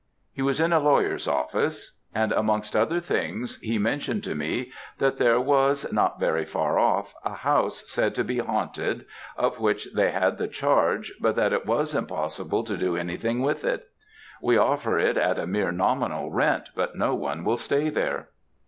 "He was in a lawyer's office, and, amongst other things, he mentioned to me that there was not very far off a house said to be haunted, of which they had the charge, but that it was impossible to do anything with it. 'We offer it at a mere nominal rent, but no one will stay there.'